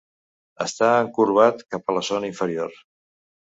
Està encorbat cap a la zona inferior.